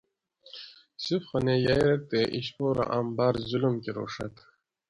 یوسف خانیں یئی رہ تے اِشپو رہ آم باۤر ظلم کۤروڛت